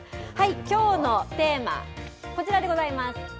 きょうのテーマ、こちらでございます。